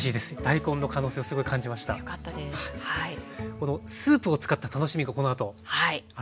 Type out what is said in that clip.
このスープを使った楽しみがこのあとあるんですよね。